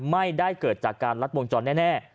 ไม่ได้เกิดจากการรัดวงจรแน่